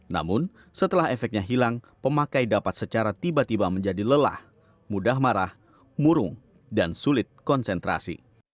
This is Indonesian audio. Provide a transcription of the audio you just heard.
namun setelah efeknya hilang pemakai dapat secara tiba tiba menjadi lelah mudah marah murung dan sulit konsentrasi